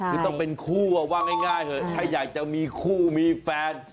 คือต้องเป็นคู่ว่าง่ายเถอะถ้าอยากจะมีคู่มีแฟน